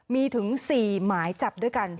มีถึง๔หมายจับด้วยกัน